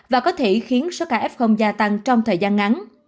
và có thể khiến số ca f gia tăng trong thời gian ngắn